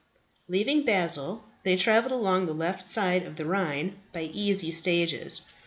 Leaving Basle, they travelled along the left side of the Rhine by easy stages.